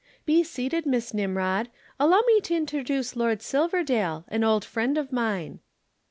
"Be seated, Miss Nimrod. Allow me to introduce Lord Silverdale an old friend of mine."